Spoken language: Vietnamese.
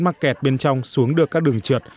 mắc kẹt bên trong xuống được các đường trượt